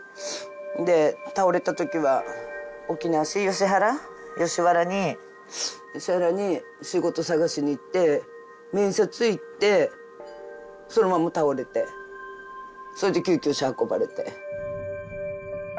で倒れた時は沖縄市吉原吉原に吉原に仕事探しに行って面接行ってそのまま倒れてそれで救急車運ばれて。